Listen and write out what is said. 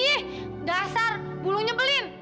ih dasar bulu nyebelin